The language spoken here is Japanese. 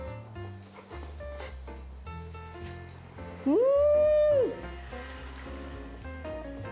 うん！